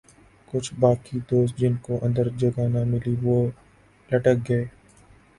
کچھ باقی دوست جن کو اندر جگہ نہ ملی وہ لٹک گئے ۔